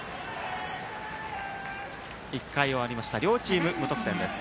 １回が終わりまして両チーム無得点です。